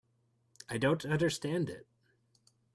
I don't understand it.